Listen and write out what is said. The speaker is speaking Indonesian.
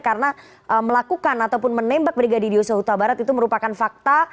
karena melakukan ataupun menembak brigadir yosua huta barat itu merupakan fakta